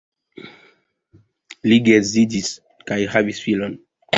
Li geedziĝis kaj havis filon.